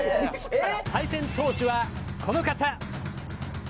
対戦投手はこの方。